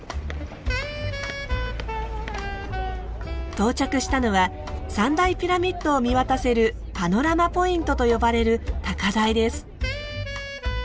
到着したのは３大ピラミッドを見渡せるパノラマポイントと呼ばれる高台です。